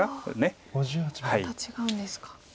また違うんですか。